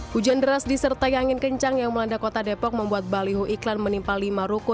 hujan deras disertai angin kencang yang melanda kota depok membuat baliho iklan menimpa lima ruko